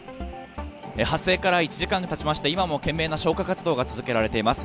発生から１時間がたちまして、今も懸命な消火活動が続けられています。